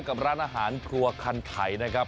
กับร้านอาหารครัวคันไถนะครับ